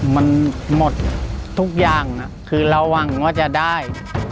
มันหมดทุกอย่างคือเราหวังว่าจะได้